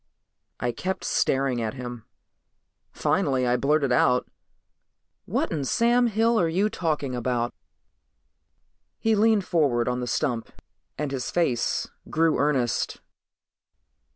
I kept staring at him. Finally I blurted out, "What in Sam Hill are you talking about?" He leaned forward on the stump and his face grew earnest.